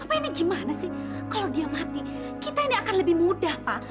terima kasih kalau dia mati kita ini akan lebih mudah pak